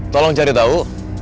tolong cari tau